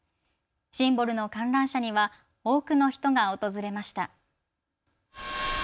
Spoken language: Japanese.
シンボルの観覧車には多くの人が訪れました。